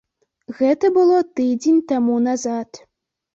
Гэта было тыдзень таму назад.